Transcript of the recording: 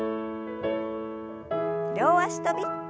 両脚跳び。